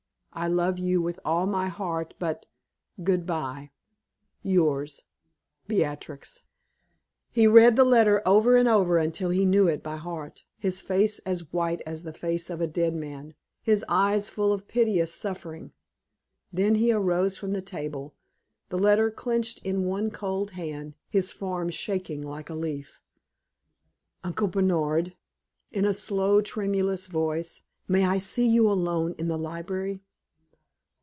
I love you with all my heart, but good bye. Yours, "BEATRIX." He read the letter over and over until he knew it by heart, his face as white as the face of a dead man, his eyes full of piteous suffering. Then he arose from the table, the letter clinched in one cold hand, his form shaking like a leaf. "Uncle Bernard," in a low, tremulous voice "may I see you alone in the library?"